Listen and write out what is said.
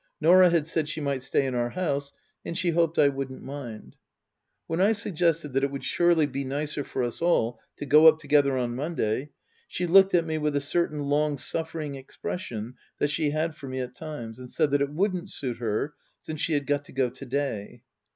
Norah had said she might stay in our house and she hoped I wouldn't mind. When I suggested that it would surely be nicer for us all to go up together on Monday she looked at me with a certain long suffering expression that she had for me at times, and said that wouldn't suit her, since she had got to go to day.